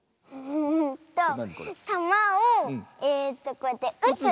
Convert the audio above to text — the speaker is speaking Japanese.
うんとたまをえとこうやってうつ。